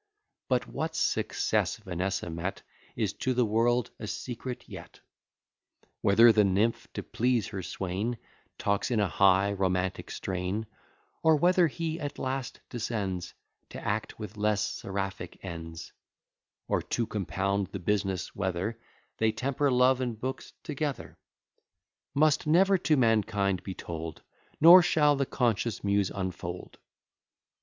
But what success Vanessa met, Is to the world a secret yet. Whether the nymph, to please her swain, Talks in a high romantic strain; Or whether he at last descends To act with less seraphic ends; Or to compound the business, whether They temper love and books together; Must never to mankind be told, Nor shall the conscious Muse unfold.